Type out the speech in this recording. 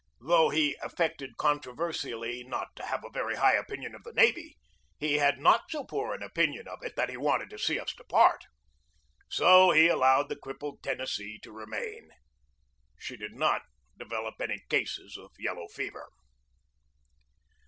Though he affected contro versially not to have a very high opinion of the navy, he had not so poor an opinion of it that he wanted to see us depart. So he allowed the crippled Ten nessee to remain. She did not develop any cases of yellow fever.